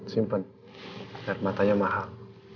simpen biar matanya mahal